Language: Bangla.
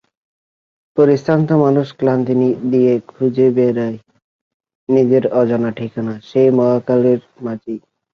পরিশ্রান্ত মানুষ ক্ষান্তি দিয়ে খুঁজে বেড়ায় নিজের অজানা ঠিকানা সেই মহাকালের মাঝেই।